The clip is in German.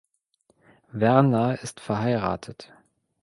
Werner ist verheiratet.